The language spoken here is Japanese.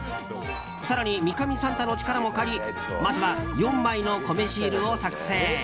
更に三上サンタの力も借りまずは４枚の米シールを作成。